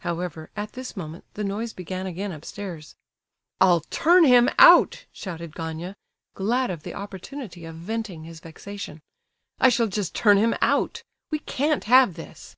However, at this moment, the noise began again upstairs. "I'll turn him out!" shouted Gania, glad of the opportunity of venting his vexation. "I shall just turn him out—we can't have this."